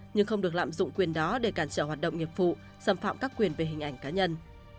nhưng không được lạm dụng quyền đó để cản trở hoạt động nghiệp vụ xâm phạm các quyền về hình ảnh cá nhân